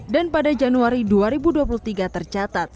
dan pada januari dua ribu dua puluh tiga tercatat